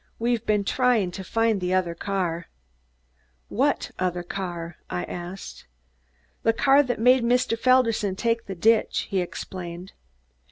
We've been trying to find the other car." "What other car?" I asked. "The car that made Mr. Felderson take the ditch," he explained.